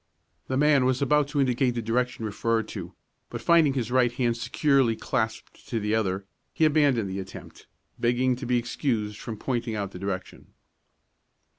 The man was about to indicate the direction referred to; but finding his right hand securely clasped to the other, he abandoned the attempt, begging to be excused from pointing out the direction.